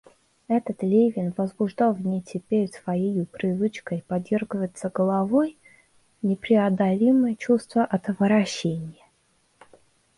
Этот Левин возбуждал в ней теперь своею привычкой подёргиваться головой непреодолимое чувство отвращения.